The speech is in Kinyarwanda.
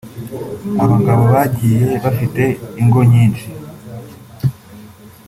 abagabo bagiye bafite ingo nyinshi